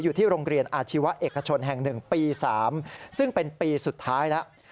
อยู่ที่โรงเรียนอาชีวะเอกชนแห่ง๑ปี๓ซึ่งเป็นปีสุดท้ายแล้ว